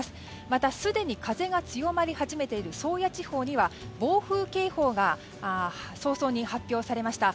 また、すでに風が強まり始めている宗谷地方には暴風警報が早々に発表されました。